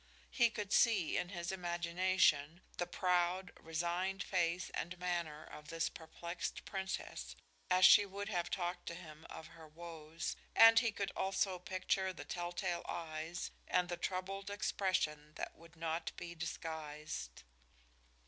He could see, in his imagination, the proud, resigned face and manner of this perplexed Princess, as she would have talked to him of her woes, and he could also picture the telltale eyes and the troubled expression that would not be disguised.